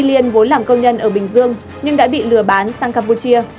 liên vốn làm công nhân ở bình dương nhưng đã bị lừa bán sang campuchia